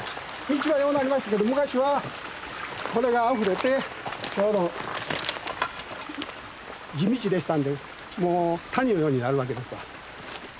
道はようなりましたけど昔はこれがあふれてちょうど地道でしたんでもう谷のようになるわけですわ。